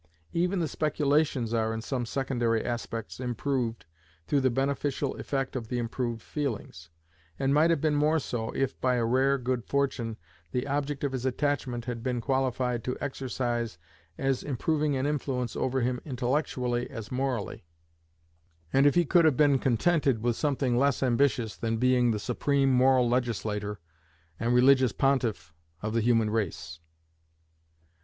Even the speculations are, in some secondary aspects, improved through the beneficial effect of the improved feelings; and might have been more so, if, by a rare good fortune, the object of his attachment had been qualified to exercise as improving an influence over him intellectually as morally, and if he could have been contented with something less ambitious than being the supreme moral legislator and religious pontiff of the human race.